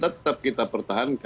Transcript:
tetap kita pertahankan